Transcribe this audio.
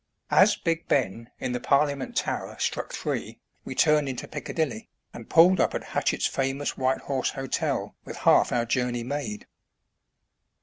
As " Big Ben " in the Parliament Tower struck three, we turned into Piccadilly, and pulled up at Hatchett's famous White Horse Hotel with half our journey made.